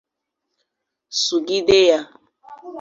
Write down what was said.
sụgide ya